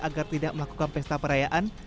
agar tidak melakukan pesta perayaan